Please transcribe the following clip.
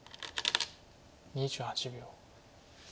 ２８秒。